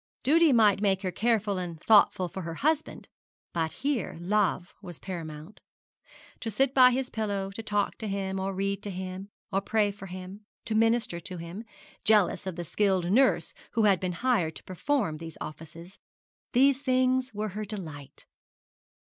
Duty might make her careful and thoughtful for her husband, but here love was paramount. To sit by his pillow, to talk to him, or read to him, or pray for him, to minister to him, jealous of the skilled nurse who had been hired to perform these offices, these things were her delight.